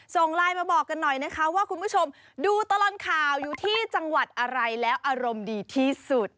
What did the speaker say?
ส่งไลน์มาบอกกันหน่อยนะคะว่าคุณผู้ชมดูตลอดข่าวอยู่ที่จังหวัดอะไรแล้วอารมณ์ดีที่สุด